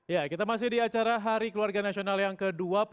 ya kita masih di acara hari keluarga nasional yang ke dua puluh tiga